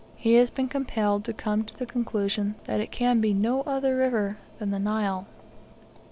he has been compelled to come to the conclusion that it can be no other river than the Nile.